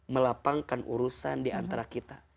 melapangkan urusan diantara kita